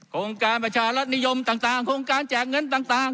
โครงการประชารัฐนิยมต่างโครงการแจกเงินต่าง